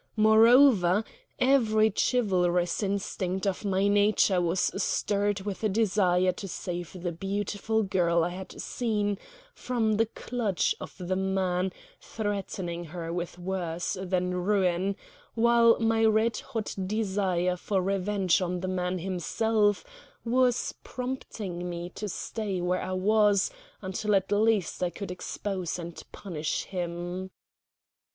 Moreover, every chivalrous instinct of my nature was stirred with a desire to save the beautiful girl I had seen from the clutch of the man threatening her with worse than ruin; while my red hot desire for revenge on the man himself was prompting me to stay where I was until at least I could expose and punish him.